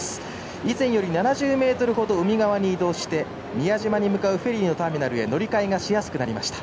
以前より７０ｍ程海側に移動して宮島に向かうフェリーのターミナルへ乗り換えがしやすくなりました。